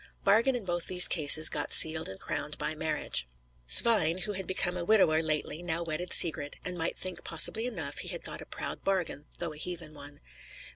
Bargain in both these cases got sealed and crowned by marriage. Svein, who had become a widower lately, now wedded Sigrid; and might think, possibly enough, he had got a proud bargain, though a heathen one.